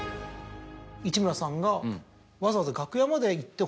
市村さんがわざわざ。